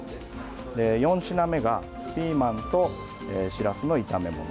４品目がピーマンとしらすの炒め物。